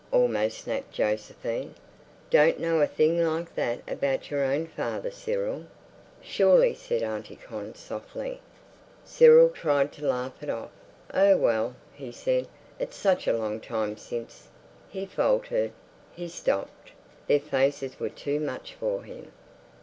almost snapped Josephine. "Don't know a thing like that about your own father, Cyril?" "Surely," said Auntie Con softly. Cyril tried to laugh it off. "Oh, well," he said, "it's such a long time since—" He faltered. He stopped. Their faces were too much for him.